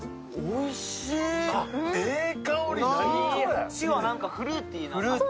こっちはフルーティー。